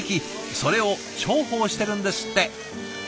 それを重宝してるんですって。